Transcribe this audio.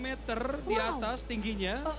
tujuh puluh dua meter di atas tingginya